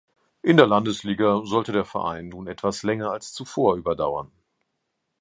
In der Landesliga sollte der Verein nun etwas länger als zuvor überdauern.